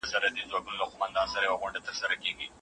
که زده کوونکي نظریات شریک کړي، فهم محدود نه پاته کېږي.